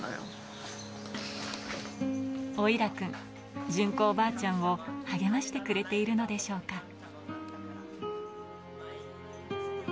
オイラくん、順子おばあちゃんを励ましてくれているのでしょうか。